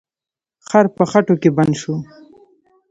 خر په خټو کې بند شو.